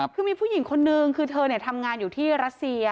คือมีผู้หญิงคนนึงคือเธอทำงานอยู่ที่รัสเซีย